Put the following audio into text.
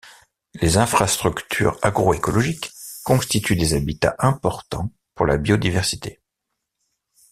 Les infrastructures agroécologiques constituent des habitats importants pour la biodiversité.